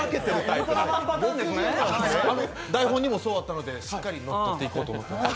台本にもそうあったので、しっかり乗っていこうと思います。